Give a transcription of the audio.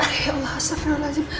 alaykuh allah astaghfirullahal cniml